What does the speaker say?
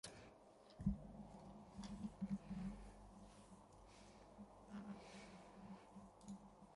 V dětství se jeho rodiče rozvedli a výchovu syna dostal na starosti otec.